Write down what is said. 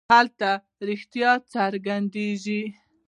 هلته رښتیا څرګندېږي.